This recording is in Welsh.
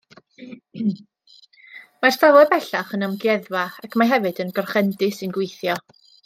Mae'r safle bellach yn amgueddfa, ac mae hefyd yn grochendy sy'n gweithio.